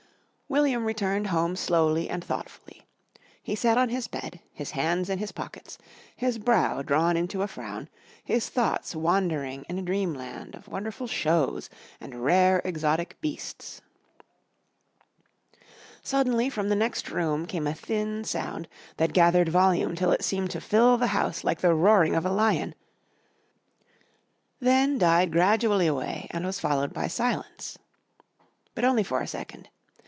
William returned home slowly and thoughtfully. He sat on his bed, his hands in his pockets, his brow drawn into a frown, his thoughts wandering in a dreamland of wonderful "shows" and rare exotic beasts. Suddenly from the next room came a thin sound that gathered volume till it seemed to fill the house like the roaring of a lion, then died gradually away and was followed by silence. But only for a second.